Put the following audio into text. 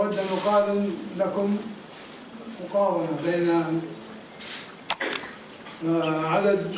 pada tahun ini lebih dari dua ratus lima puluh orang menerima haji